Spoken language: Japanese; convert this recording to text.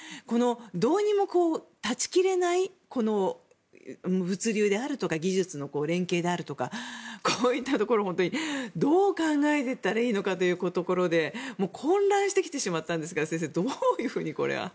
どうにも断ち切れない物流であるとか技術の連携であるとかこういったところをどう考えていったらいいのかというところで混乱してきてしまったんですが先生、どういうふうにこれは。